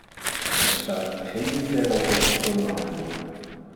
Er bestaat geen militaire oplossing voor de lange termijn.